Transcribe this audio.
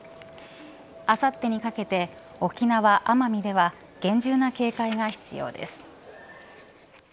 あさってにかけて沖縄、奄美では厳重な警戒が必要です。